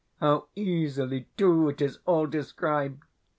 How easily, too, it is all described!